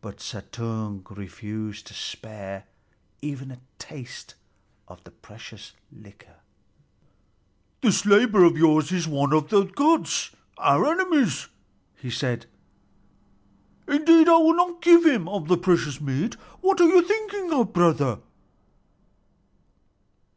But Suttung refused to spare even a taste of the precious liquor. "This laborer of yours is one of the gods, our enemies," he said. "Indeed, I will not give him of the precious mead. What are you thinking of, brother!"